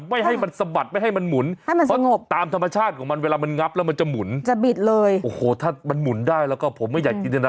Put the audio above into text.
ไม่ให้มันสะบัดไม่ให้มันหมุน